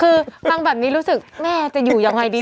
คือฟังแบบนี้รู้สึกแม่จะอยู่ยังไงดี